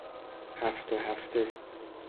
هفته هفته